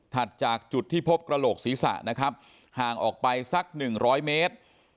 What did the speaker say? จากจุดที่พบกระโหลกศีรษะนะครับห่างออกไปสัก๑๐๐เมตร